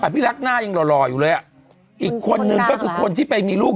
พี่รักหน้ายังหล่ออยู่เลยอ่ะอีกคนนึงก็คือคนที่ไปมีลูก